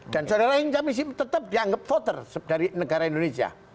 dan saudara hincap masih tetap dianggap voter dari negara indonesia